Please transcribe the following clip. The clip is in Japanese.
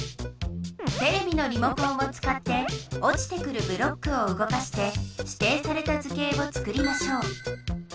テレビのリモコンを使っておちてくるブロックを動かしてしていされた図形をつくりましょう。